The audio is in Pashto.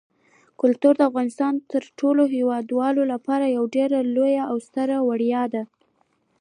کلتور د افغانستان د ټولو هیوادوالو لپاره یو ډېر لوی او ستر ویاړ دی.